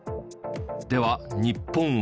では日本は。